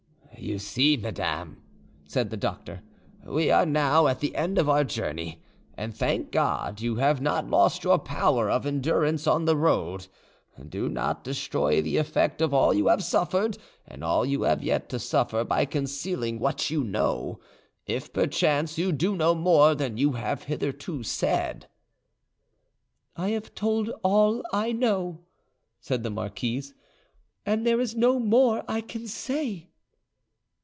"You see, madame," said the doctor, "we are now at the end of our journey, and, thank God, you have not lost your power of endurance on the road; do not destroy the effect of all you have suffered and all you have yet to suffer by concealing what you know, if perchance you do know more than you have hitherto said." "I have told all I know," said the marquise, "and there is no more I can say."